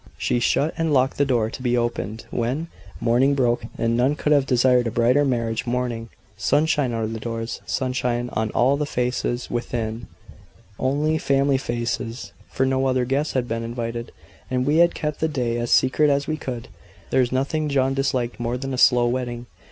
She shut and locked the door. To be opened when? Morning broke, and none could have desired a brighter marriage morning. Sunshine out of doors sunshine on all the faces within; only family faces, for no other guests had been invited, and we had kept the day as secret as we could; there was nothing John disliked more than a show wedding.